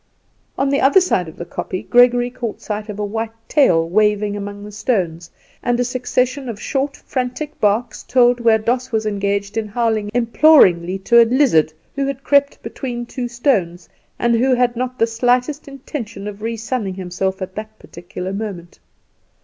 On the other side of the kopje Gregory caught sight of a white tail waving among the stones, and a succession of short, frantic barks told where Doss was engaged in howling imploringly to a lizard who had crept between two stones, and who had not the slightest intention of re sunning himself at that particular moment.